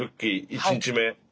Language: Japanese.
１日目